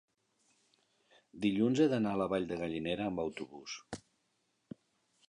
Dilluns he d'anar a la Vall de Gallinera amb autobús.